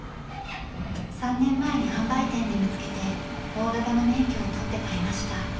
３年前に販売店で見つけて大型の免許を取って買いました。